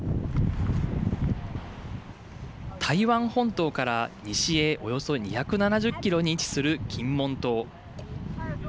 台湾本島から西へおよそ２７０キロに位置する金門島。